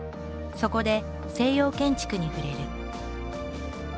そこで西洋建築に触れる。